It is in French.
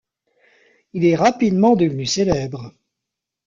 Il est rapidement devenu célèbre.